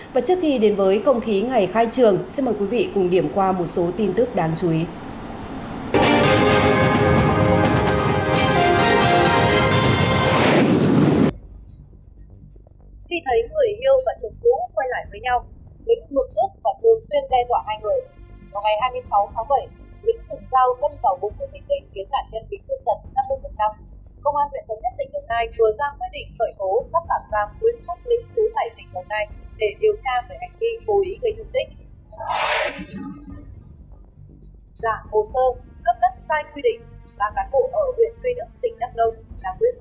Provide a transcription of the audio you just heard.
và trước khi đến với công khí ngày khai trưởng xin mời quý vị cùng điểm qua một số tin tức đáng chú ý